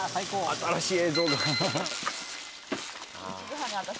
新しい映像が。